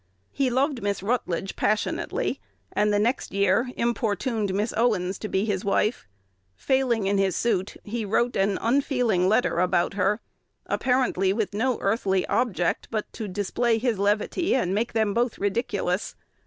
He loved Miss Rutledge passionately, and the next year importuned Miss Owens to be his wife. Failing in his suit, he wrote an unfeeling letter about her, apparently with no earthly object but to display his levity and make them both ridiculous.